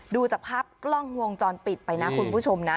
ดูจากภาพกล้องวงจรปิดไปนะคุณผู้ชมนะ